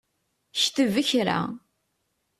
Kteb kra!